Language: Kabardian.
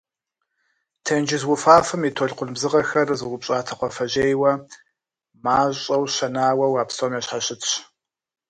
Тенджыз уфафэм и толъкъун бзыгъэхэр зыупщӏатэ кхъуафэжьейуэ, мащӏэу щэнауэу, а псом ящхьэщытщ.